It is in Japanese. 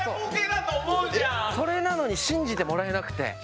それなのに信じてもらえなくて。